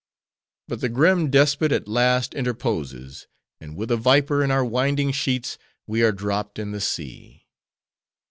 But the grim despot at last interposes; and with a viper in our winding sheets, we are dropped in the sea."